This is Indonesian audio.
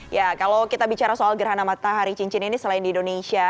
ya kalau kita bicara soal gerhana matahari cincin ini selain di indonesia